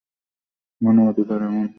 মনোবিকার এমন ভয়াবহ রূপ নিল কেন?